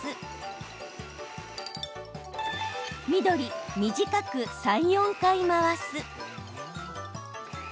緑・短く３４回回す。